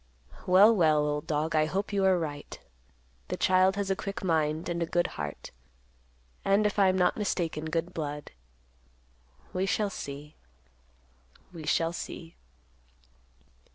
"Well, well, old dog, I hope you are right. The child has a quick mind, and a good heart; and, if I am not mistaken, good blood. We shall see. We shall see."